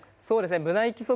そうですねあっ